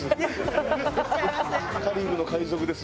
カリブの海賊です。